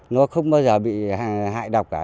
nó không bao giờ bị hại độc cả